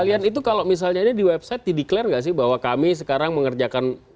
kalian itu kalau misalnya di website di declare nggak sih bahwa kami sekarang mengerjakan